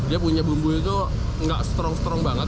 dia punya bumbu itu nggak strong strong banget